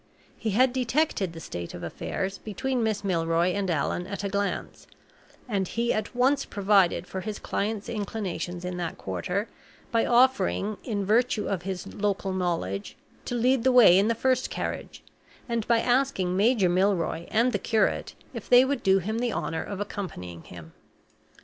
He had detected the state of affairs between Miss Milroy and Allan at glance, and he at once provided for his client's inclinations in that quarter by offering, in virtue of his local knowledge, to lead the way in the first carriage, and by asking Major Milroy and the curate if they would do him the honor of accompanying him.